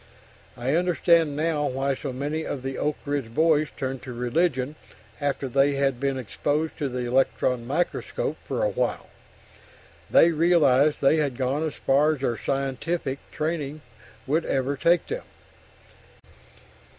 I understand now why so many of the Oak Ridge boys turned to religion after they had been exposed to the electron microscope for a while they realized they had gone as far as their "scientific" training would ever take them.